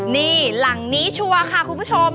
นี่หลังนี้ชัวร์ค่ะคุณผู้ชม